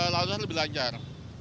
lalu lebih lanjar